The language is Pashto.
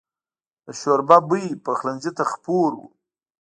د شوربه بوی پخلنځي ته خپور و.